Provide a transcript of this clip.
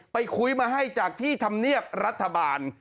ไปคุยมาให้จากที่ธรรมเนียบรัฐบาล